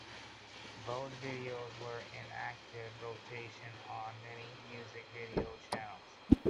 Both videos were in active rotation on many music video channels.